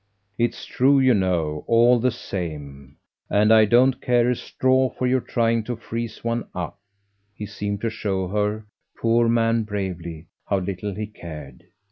"It's true, you know, all the same, and I don't care a straw for your trying to freeze one up." He seemed to show her, poor man, bravely, how little he cared.